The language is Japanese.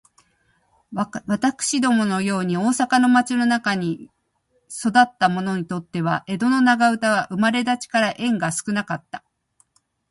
私どもの様に大阪の町の中に育つた者にとつては、江戸長唄は生れだちから縁が少かつた。